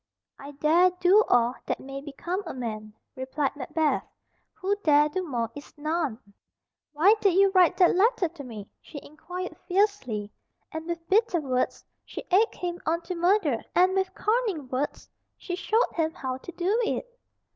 "I dare do all that may become a man," replied Macbeth; "who dare do more is none." "Why did you write that letter to me?" she inquired fiercely, and with bitter words she egged him on to murder, and with cunning words she showed him how to do it.